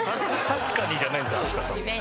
「確かに」じゃないんですよ飛鳥さんも。